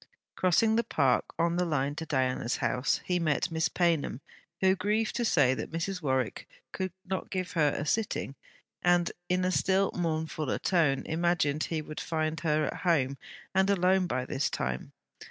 Crossing the park on the line to Diana's house, he met Miss Paynham, who grieved to say that Mrs. Warwick could not give her a sitting; and in a still mournfuller tone, imagined he would find her at home, and alone by this time.